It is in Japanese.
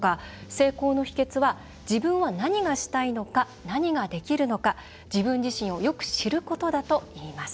成功の秘けつは自分は何がしたいのか何ができるのか、自分自身をよく知ることだといいます。